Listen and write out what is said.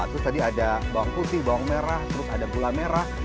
terus tadi ada bawang putih bawang merah terus ada gula merah